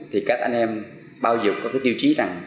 thì các anh em bao giờ có cái tiêu chí rằng